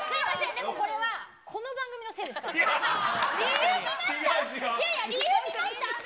でもこれは、この番組のせいですからね。